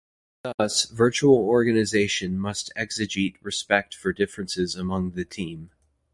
Thus, virtual organization must exegete respect for differences among the team.